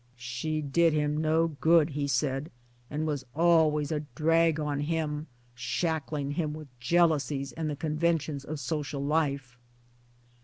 " She did him no good," he said " was always a drag on him shackling him with jealousies and the conventions of social life."